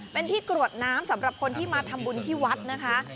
เป็นที่กรวดน้ำสำหรับคนที่มาทำบุญที่วัดนะคะ